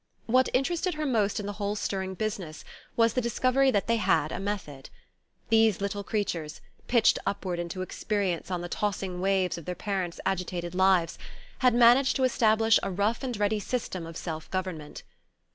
What interested her most in the whole stirring business was the discovery that they had a method. These little creatures, pitched upward into experience on the tossing waves of their parents' agitated lives, had managed to establish a rough and ready system of self government.